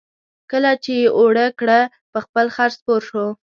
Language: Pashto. کله چې یې اوړه کړه په خپل خر سپور شو.